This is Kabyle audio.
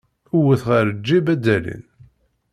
Wwet ɣar lǧib, ad d-alin.